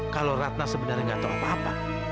kalau ratna sebenarnya tidak tahu apa apa